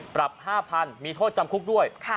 ปรับ๕๐๐๐มีโทษจำคุกด้วย